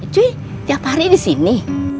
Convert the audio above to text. cuy tiap hari disini